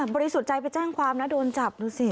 สุทธิ์ใจไปแจ้งความนะโดนจับดูสิ